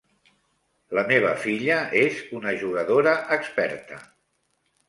La meva filla és una jugadora experta.